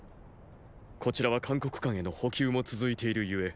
こちらは函谷関への補給も続いている故